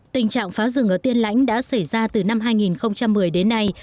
tình trạng phá rừng ở tiên lãnh đã xảy ra từ năm hai nghìn một mươi đến nay